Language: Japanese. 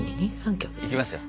いきますよ。